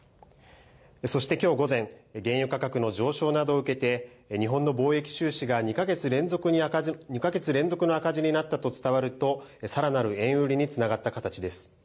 そしてきょう午前、原油価格の上昇などを受けて日本の貿易収支が２か月連続の赤字になったと伝わると、さらなる円売りにつながった形です。